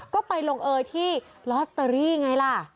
ก็ไปลงเอยที่ลอตเตอรี่ไงล่ะ